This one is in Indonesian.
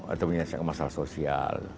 atau menyelesaikan masalah sosial